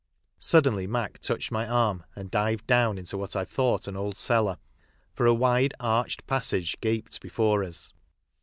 Suddenly Mac touched my arm and dived down into what I thought an old cellar, for a wide, arched passage gaped before us.